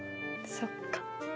そっか。